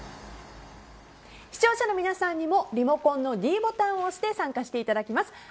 視聴者の皆さんにもリモコンのｄボタンを押して参加していただきます。